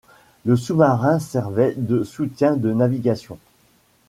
Le sous-marin servait de soutien de navigation.